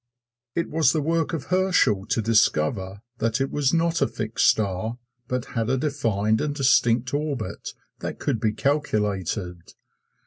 It was the work of Herschel to discover that it was not a fixed star, but had a defined and distinct orbit that could be calculated.